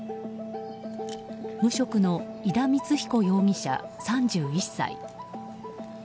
無職の井田光彦容疑者、３１歳。